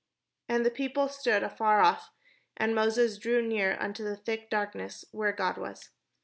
And the people stood afar off, and Moses drew near unto the thick darkness where God was.